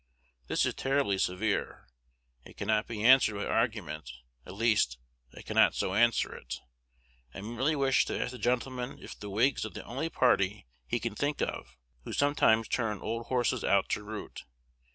This is terribly severe. It cannot be answered by argument; at least, I cannot so answer it. I merely wish to ask the gentleman if the Whigs are the only party he can think of, who sometimes turn old horses out to root?